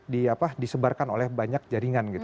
di apa disebarkan oleh banyak jaringan gitu